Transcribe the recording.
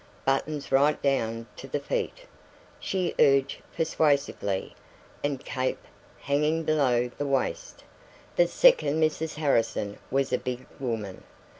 "Buttons right down to the feet," she urged persuasively, "and cape hanging below the waist" the second Mrs Harrison was a big woman.